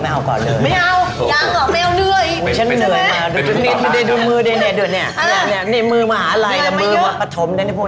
แปลว่าลูกลูกเองช่วยหาทางออก